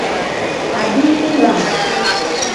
Adiini lam.